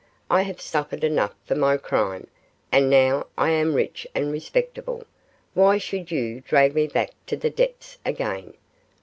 I have suffered enough for my crime, and now I am rich and respectable, why should you drag me back to the depths again?